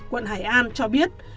quận hải an cho biết